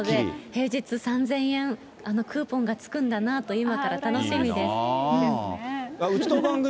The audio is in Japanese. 平日３０００円、クーポンがつくんだなと今から楽しみです。